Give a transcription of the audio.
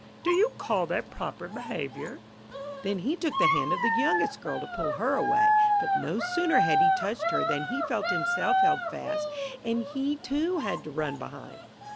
Do you call that proper behaviour?' Then he took hold of the hand of the youngest girl to pull her away; but no sooner had he touched her than he felt himself held fast, and he, too, had to run behind.